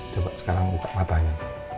coba sekarang buka matanya